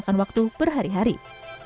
yang terakhir up